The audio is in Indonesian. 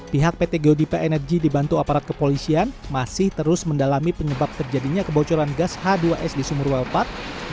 pihak pt geodipe energy dibantu aparat kepolisian masih terus mendalami penyebab terjadinya kebocoran gas h dua s di sumerwell empat ratus dua puluh delapan